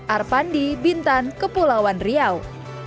arpandi bintan kepulauan riau